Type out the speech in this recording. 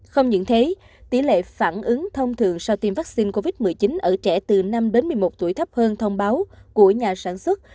không những thế tỷ lệ phản ứng thông thường sau tiêm vaccine covid một mươi chín ở trẻ từ năm đến một mươi một tuổi thấp hơn thông báo của nhà sản xuất